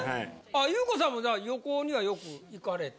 ゆう子さんも旅行にはよく行かれて。